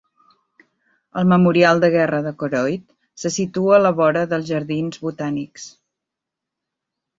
El Memorial de Guerra de Koroit se situa a la vora dels Jardins Botànics.